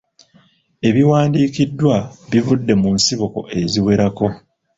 Ebiwandiikiddwa bivudde mu nsibuko eziwerako.